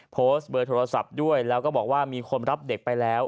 โพสต์เบอร์โทรศัพท์ด้วยแล้วก็บอกว่ามีคนรับเด็กไปแล้ว